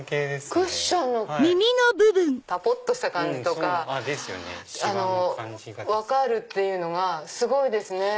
クッションのたぽっとした感じとか分かるっていうのがすごいですね。